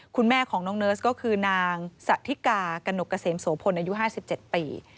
คุณแม่ของน้องเนิร์สก็คือนางสะทิกากระหนกเกษมโสพลอายุ๕๗ปี